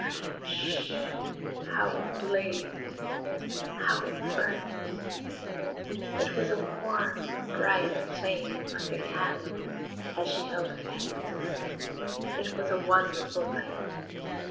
"Rischt!" how it blazed, how it burnt! It was a warm, bright flame, like a candle, as she held her hands over it: it was a wonderful light.